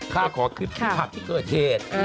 ขอคลิปผับที่เกิดเหตุ